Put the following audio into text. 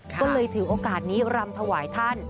ก็เลยถือโอกาสนี้รำถวายท่าน